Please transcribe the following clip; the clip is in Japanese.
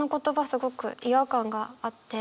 すごく違和感があって。